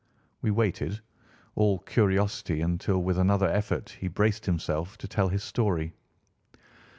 We waited, all curiosity, until with another effort he braced himself to tell his story.